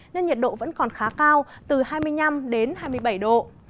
nên nhiệt độ vẫn còn khá cao từ hai mươi năm đến hai mươi bảy độ